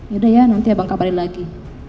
ya udah ya nanti abang kabarin lagi